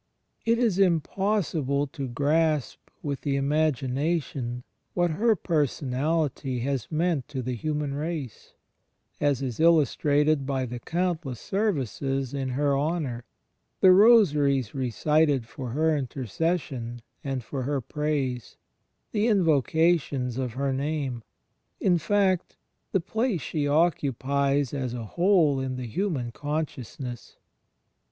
It is impossible to grasp with the imagination what her Personality has meant to the human race — as is illustrated by the countless services in her honour, the rosaries recited for her intercession and for her praise, the invocations of her name, — in fact, the place she occupies as a whole in the human consciousness.